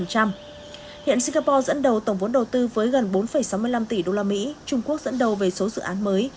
hiện singapore dẫn đầu tổng vốn đầu tư với gần bốn sáu mươi năm tỷ usd trung quốc dẫn đầu về số dự án mới